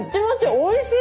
おいしい！